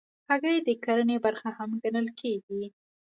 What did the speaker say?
هګۍ د کرنې برخه هم ګڼل کېږي.